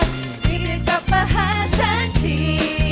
พี่จะกลับมาหาฉันที